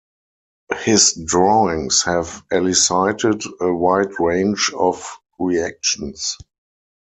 His drawings have elicited a wide range of reactions.